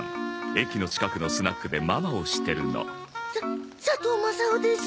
駅の近くのスナックでママをしてるの。さ佐藤マサオです。